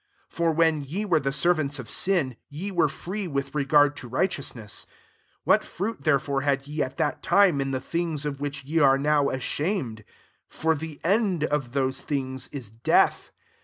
For when ye were the jnrants of sin, ye were free tli regard to righteousness. 21 'lat fruit therefore had ye at It time in the things of which are now ashamed? for the |td of those things is death.